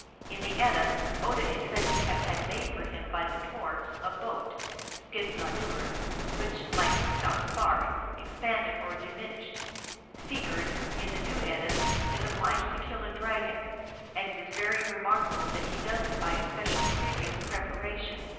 In the Edda, Odin is said to have had made for him by the dwarfs a boat, Skidbladuir, which, like Glooskap s bark, expanded or dimin ished. Sigurd, in the New Edda, is obliged to kill a dragon, and it is very remarkable that he does it by a special previous preparation.